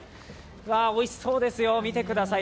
おいしそうですよ、見てください